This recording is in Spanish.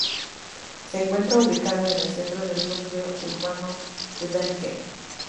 Se encuentra ubicada en el centro del núcleo urbano de Däniken.